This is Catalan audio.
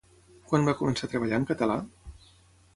Quan va començar a treballar en català?